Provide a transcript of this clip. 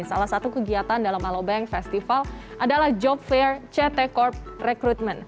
salah satu kegiatan dalam alobank festival adalah job fair ct corp recruitment